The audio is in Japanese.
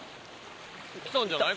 来たんじゃない？